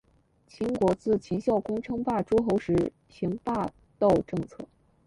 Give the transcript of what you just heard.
秦国自秦孝公称霸诸候时行霸道政策。